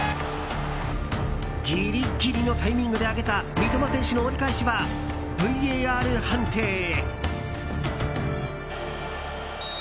ギリッギリのタイミングで上げた三笘選手の折り返しはＶＡＲ判定へ。